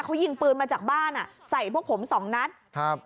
เขายิงปืนมาจากบ้านอ่ะใส่พวกผมสองนัดครับ